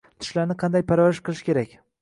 Tishlarni qanday parvarish qilish kerak?